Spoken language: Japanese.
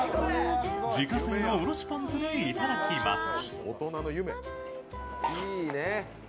自家製のおろしポン酢でいただきます。